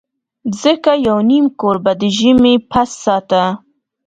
ځکه یو نیم کور به د ژمي پس ساته.